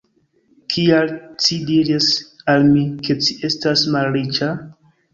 Kial ci diris al mi, ke ci estas malriĉa?